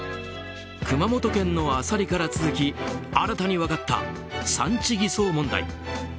熊本県産のアサリから続き新たに分かった産地偽装問題。